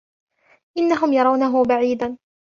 إنهم يرونه بعيدا